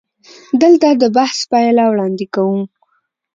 دلته د بحث پایله وړاندې کوو.